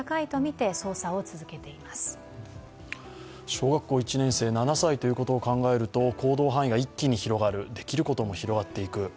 小学校１年生７歳ということを考えると行動範囲が一気に広がる、できることも広がっていく。